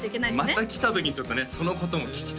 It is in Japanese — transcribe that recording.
また来た時にちょっとねそのことも聞きたいですね